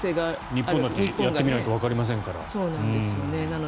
日本だってやってみないとわかりませんから。